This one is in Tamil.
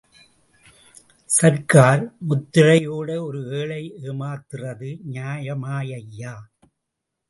சர்க்கார் முத்திரையோட ஒரு ஏழைய ஏமாத்துறது நியாயமாய்யா..?